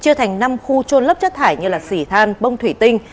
chia thành năm khu trôn lấp chất thải như xỉ than bông thủy tinh